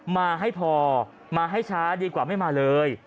มาให้พอมาให้ช้าดีกว่าไม่มาเลย